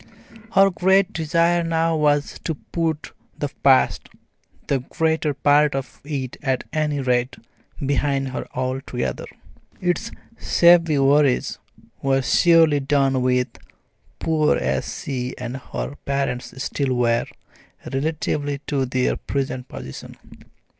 Her great desire now was to put the past the greater part of it at any rate behind her altogether. Its shabby worries were surely done with, poor as she and her parents still were, relatively to their present position.